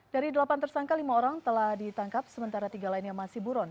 dari delapan tersangka lima orang telah ditangkap sementara tiga lainnya masih buron